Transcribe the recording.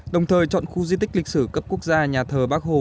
đồng thời chọn khu di tích lịch sử cấp quốc gia nhà thờ bác hồ